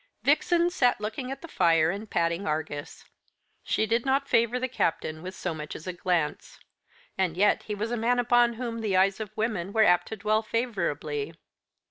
Vixen sat looking at the fire and patting Argus. She did not favour the Captain with so much as a glance; and yet he was a man upon whom the eyes of women were apt to dwell favourably.